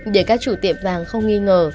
để các chủ tiệm vàng không nghi ngờ